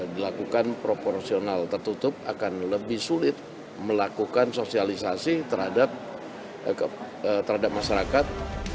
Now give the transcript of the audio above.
dilakukan proporsional tertutup akan lebih sulit melakukan sosialisasi terhadap masyarakat